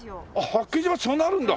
八景島そんなあるんだ！